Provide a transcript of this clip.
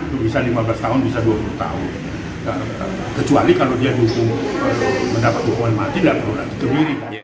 kisah kisah yang terjadi di indonesia